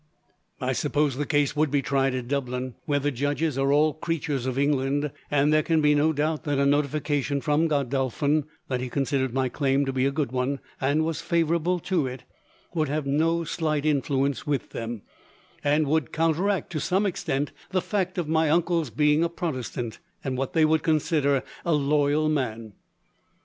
"I suppose the case would be tried at Dublin, where the judges are all creatures of England, and there can be no doubt that a notification, from Godolphin, that he considered my claim to be a good one, and was favourable to it, would have no slight influence with them; and would counteract, to some extent, the fact of my uncle's being a Protestant, and what they would consider a loyal man.